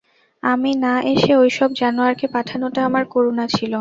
আমি না এসে ঐসব জানোয়ারকে পাঠানোটা আমার করুণা ছিল।